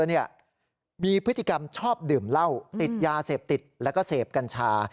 มีพฤติกรรมชอบดื่มเหล้าติดยาเสพติดแล้วก็เสพกัญชา